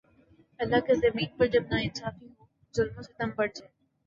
اللہ کی زمین پر جب ناانصافی ہو ، ظلم و ستم بڑھ جائے